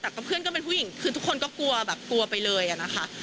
แต่ก็เพื่อนก็เป็นผู้หญิงคือทุกคนก็กลัวแบบกลัวไปเลยอะนะคะ